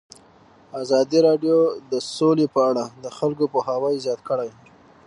ازادي راډیو د سوله په اړه د خلکو پوهاوی زیات کړی.